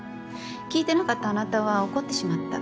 聞いてなかったあなたは怒ってしまった。